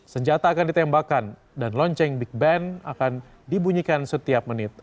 senjata akan ditembakkan dan lonceng big band akan dibunyikan setiap menit